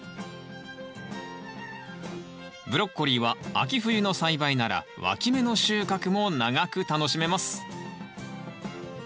ブロッコリーは秋冬の栽培ならわき芽の収穫も長く楽しめます。